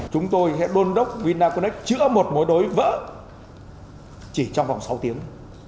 chúng tôi sẽ đôn đốc vinaconex chữa một mối đối vỡ chỉ trong vòng sáu tiếng